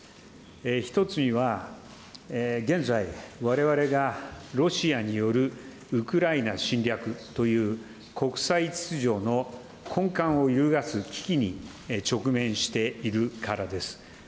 １つには、現在、われわれがロシアによるウクライナ侵略という、国際秩序の根幹を揺るがす危機に直面しているからです。